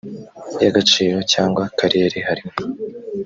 y agaciro cyangwa kariyeri harimo